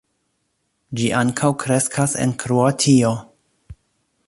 Ĝi ankaŭ kreskas en Kroatio.